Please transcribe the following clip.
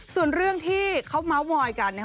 ส่วนเรื่องที่เขาเมาส์โมยกัน